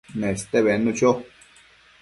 Neste bednu cho